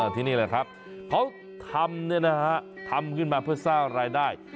ที่นี่แหละครับเขาทำทำขึ้นมาเพื่อสร้างรายได้